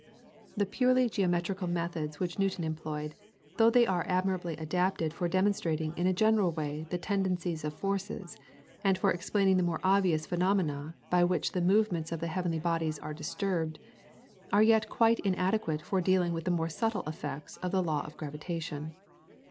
The purely geometrical methods which Newton employed, though they are admirably adapted for demonstrating in a general way the tendencies of forces and for explaining the more obvious phenomena by which the movements of the heavenly bodies are disturbed, are yet quite inadequate for dealing with the more subtle effects of the Law of Gravitation.